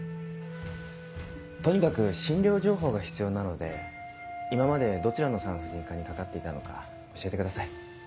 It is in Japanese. とにかく診療情報が必要なので今までどちらの産婦人科にかかっていたのか教えてください。